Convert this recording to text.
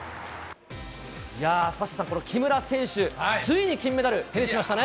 サッシャさん、この木村選手、ついに金メダル、手にしましたね。